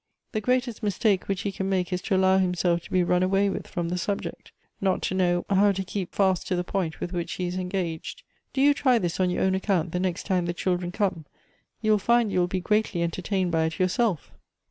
The greatest mistake which he can make is to allow himself to be run .away with from the subject ; not to know how to keep fast to the point with which he is engaged. Do you try this on your own account the next time the children come ; you will find you will be greatly entertained by it yoursolf."